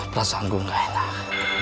perasaan gue gak enak